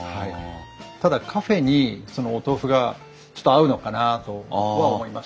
ただカフェにそのお豆腐がちょっと合うのかなとは思いましたね。